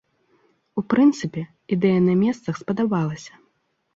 У прынцыпе, ідэя на месцах спадабалася.